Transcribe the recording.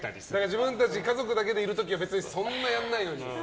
自分たち家族だけでいる時はそんなにやらないのにと。